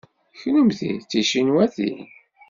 Kennemti d ticinwatin?